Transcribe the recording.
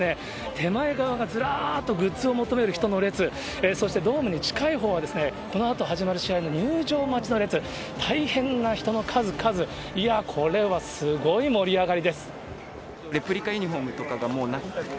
手前側がずらっとグッズを求める人の列、そしてドームに近いほうは、このあと始まる試合の入場待ちの列、大変な人の数々、いやー、レプリカユニホームとかがもうなくて。